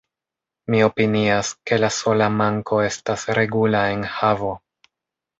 Mi opinias, ke la sola manko estas regula enhavo.